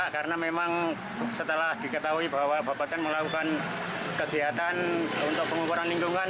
karena memang setelah diketahui bahwa bapeten melakukan kegiatan untuk pengukuran lingkungan